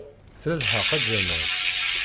Tla lḥeqq, a Jamal.